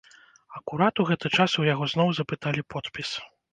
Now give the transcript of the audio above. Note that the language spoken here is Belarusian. Акурат у гэты час у яго зноў запыталі подпіс.